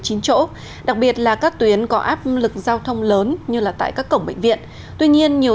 chỗ đặc biệt là các tuyến có áp lực giao thông lớn như tại các cổng bệnh viện tuy nhiên